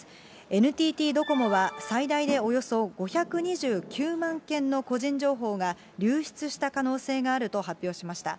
ＮＴＴドコモは最大でおよそ５２９万件の個人情報が流出した可能性があると発表しました。